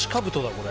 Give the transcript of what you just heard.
これ。